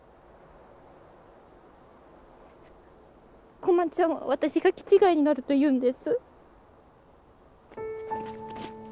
駒ちゃんは私が気ちがいになると言うんです。